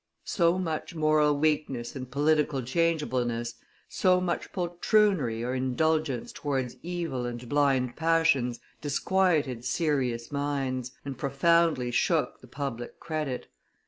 So much moral weakness and political changeableness, so much poltroonery or indulgence towards evil and blind passions disquieted serious minds, and profoundly shook the public credit.